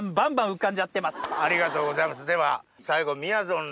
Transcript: ありがとうございますでは。